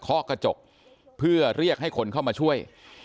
ข้อกระจกเพื่อเรียกให้คนเข้ามาช่วย